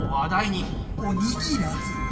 おにぎらず。